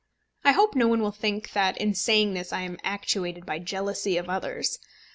I hope no one will think that in saying this I am actuated by jealousy of others.